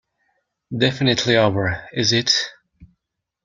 Definitely over, is it?